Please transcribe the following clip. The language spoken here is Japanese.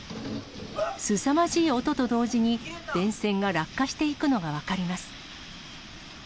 すさまじい音と同時に、電線が落下していくのが分かります。